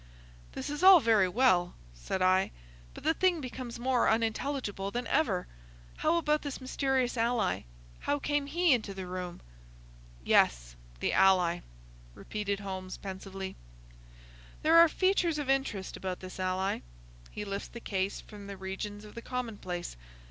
"This is all very well," said I, "but the thing becomes more unintelligible than ever. How about this mysterious ally? How came he into the room?" "Yes, the ally!" repeated Holmes, pensively. "There are features of interest about this ally. He lifts the case from the regions of the commonplace.